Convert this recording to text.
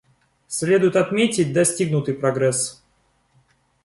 Следует отметить достигнутый прогресс.